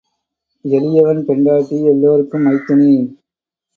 எளியவன் பெண்டாட்டி எல்லோருக்கும் மைத்துனி.